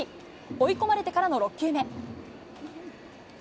追い込まれてからの６球目。